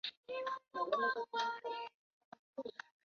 裂叶金盏苣苔为苦苣苔科金盏苣苔属下的一个种。